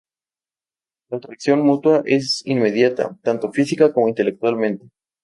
La atracción mutua es inmediata, tanto física como intelectualmente.